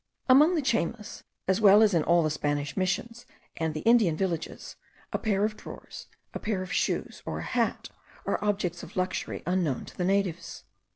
Among the Chaymas, as well as in all the Spanish Missions and the Indian villages, a pair of drawers, a pair of shoes, or a hat, are objects of luxury unknown to the natives.